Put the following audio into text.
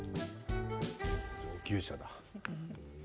上級者だ。